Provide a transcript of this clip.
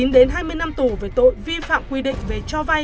một mươi chín đến hai mươi năm tù về tội vi phạm quy định về cho vay